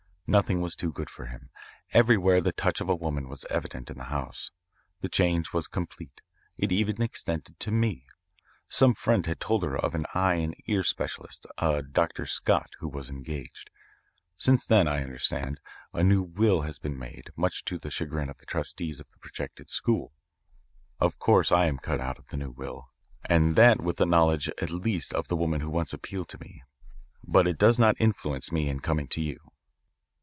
Nothing was too good for him. Everywhere the touch of a woman was evident in the house. The change was complete. It even extended to me. Some friend had told her of an eye and ear specialist, a Dr. Scott, who was engaged. Since then, I understand, a new will has been made, much to the chagrin of the trustees of the projected school. Of course I am cut out of the new will, and that with the knowledge at least of the woman who once appealed to me, but it does not influence me in coming to you."